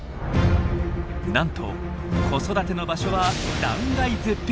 なんと子育ての場所は断崖絶壁。